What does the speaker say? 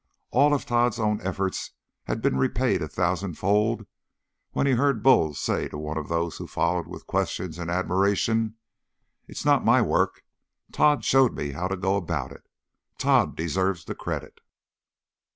All of Tod's own efforts had been repaid a thousandfold when he heard Bull say to one of those who followed with questions and admiration, "It's not my work. Tod showed me how to go about it. Tod deserves the credit."